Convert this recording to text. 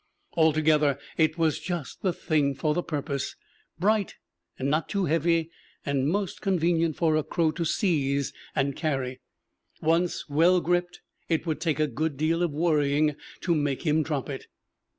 Altogether it was just the thing for the purpose bright, and not too heavy, and most convenient for a crow to seize and carry. Once well gripped, it would take a good deal of worrying to make him drop it.